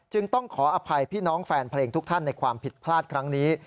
ต้องขออภัยพี่น้องแฟนเพลงทุกท่านในความผิดพลาดครั้งนี้